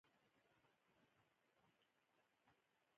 تواب ټيټ شو، پړي ته يې لاس کړ، خوسکی تر غوا لاندې ووت.